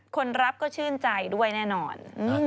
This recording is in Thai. คนรับก็ชื่นใจด้วยแน่นอน